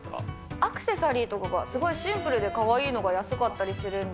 アクセサリーとかが、すごいシンプルでかわいいのが安かったりするんで。